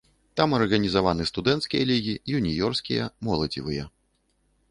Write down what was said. Там арганізаваны студэнцкія лігі, юніёрскія, моладзевыя.